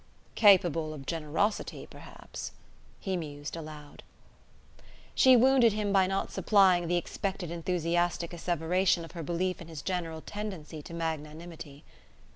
"Capable of generosity, perhaps," he mused, aloud. She wounded him by not supplying the expected enthusiastic asseveration of her belief in his general tendency to magnanimity.